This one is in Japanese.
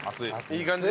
いい感じ。